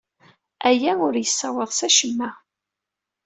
Aya ur yessaweḍ s acemma.